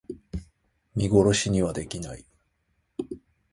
見殺しにはできない